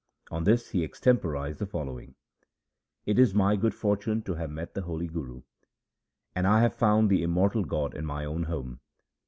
On this he extemporized the following :— It is my good fortune to have met the holy Guru, And I have found the Immortal God in my own home.